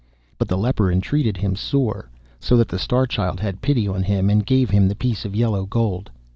But the leper entreated him sore, so that the Star Child had pity on him, and gave him the piece of yellow gold.